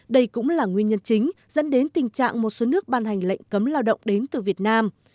đây cũng là nguyên nhân chính dẫn đến tình trạng một số nước ban hành lệnh cấm lao động đến từ việt nam